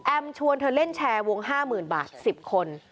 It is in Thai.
ชวนเธอเล่นแชร์วง๕๐๐๐บาท๑๐คน